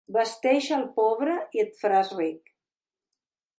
Vesteix al pobre i et faràs ric.